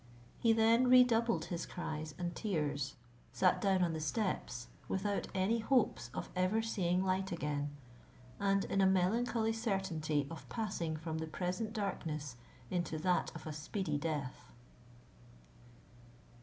He then redoubled his cries and tears, sat down on the steps, without any hopes of ever seeing light again, and in a melancholy certainty of passing from the present darkness into that of a speedy death.